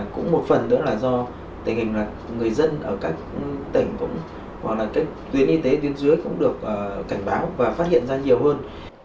cũng một phần nữa là do tình hình là người dân ở các tỉnh cũng hoặc là các tuyến y tế tuyến dưới cũng được cảnh báo và phát hiện ra nhiều hơn